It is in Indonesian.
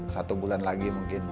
satu bulan lagi mungkin